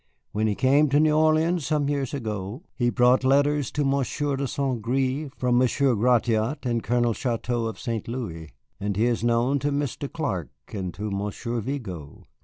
When he came to New Orleans some years ago he brought letters to Monsieur de St. Gré from Monsieur Gratiot and Colonel Chouteau of St. Louis, and he is known to Mr. Clark and to Monsieur Vigo.